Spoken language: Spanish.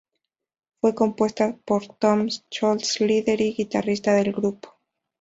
Fue compuesta por Tom Scholz, líder y guitarrista del grupo.